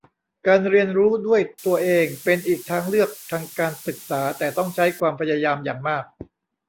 การเรียนรู้ด้วยตัวเองเป็นอีกทางเลือกทางการศึกษาแต่ต้องใช้ความพยายามอย่างมาก